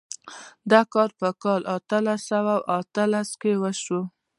دا کار په کال اتلس سوه اتلسم کې وشو.